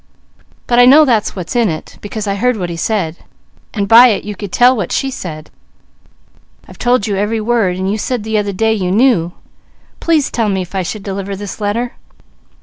"But I know that's what's in it, because I heard what he said, and by it you could tell what she said. I've told you every word, and you said the other day you knew; please tell me if I should deliver this letter?"